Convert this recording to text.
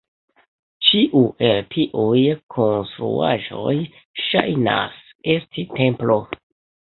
Ĉiu el tiuj konstruaĵoj ŝajnas esti templo.